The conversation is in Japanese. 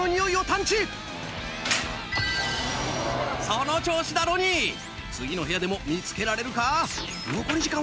その調子だロニー次の部屋でも見つけられるか？